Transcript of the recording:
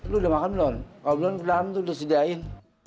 lu udah makan belum kalau belum tuh udah sediain